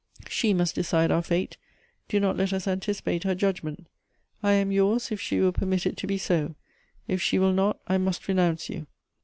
She must decide our fate ; do not let us anticipate her judgment. I am yours if she will permit it to be so. If she will not I must renounce you.